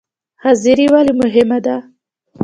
حاضري ولې مهمه ده؟